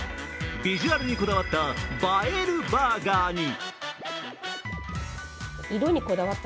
ビジュアルにこだわった映えるバーガーに。